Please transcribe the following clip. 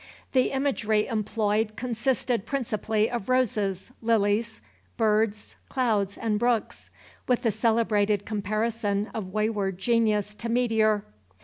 The imagery employed consisted principally of roses, lilies, birds, clouds, and brooks, with the celebrated comparison of wayward genius to meteor.